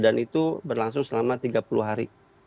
dan itu berlangsung selama tiga puluh hari